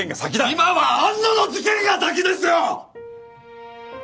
今は安野の事件が先ですよ！